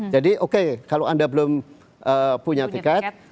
jadi oke kalau anda belum punya tiket